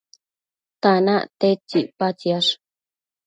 tanac tedtsi icpatsiash?